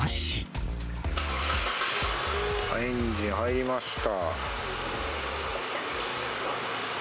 エンジン入りました。